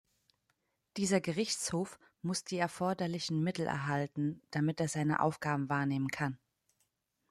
Dieser Gerichtshof muss die erforderlichen Mittel erhalten, damit er seine Aufgaben wahrnehmen kann.